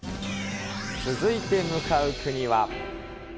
続いて向かう国は。